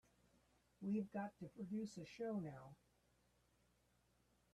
We've got to produce a show now.